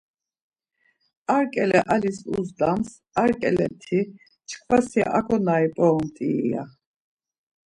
Ar ǩele alis uzdams ar ǩeleti, Çkva si aǩonari mp̌oromt̆ii? ya.